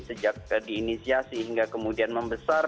sejak diinisiasi hingga kemudian membesar